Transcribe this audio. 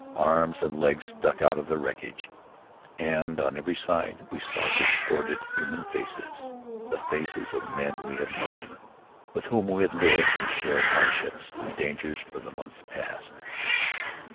Arms and legs stuck out of the wreckage, and on every side we saw distorted human faces, the faces of men we had known, with whom we had lived and shared hardships and dangers for months past.